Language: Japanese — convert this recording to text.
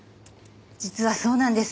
実はそうなんです。